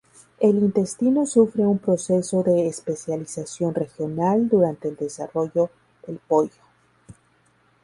El intestino sufre un proceso de especialización regional durante el desarrollo del pollo.